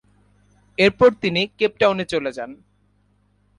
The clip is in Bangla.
এরপর তিনি কেপটাউনে চলে যান।